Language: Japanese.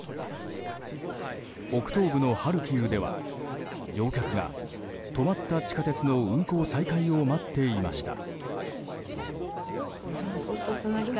北東部のハルキウでは、乗客が止まった地下鉄の運行再開を待っていました。